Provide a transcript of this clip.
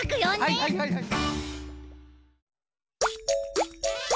はいはいはいはい。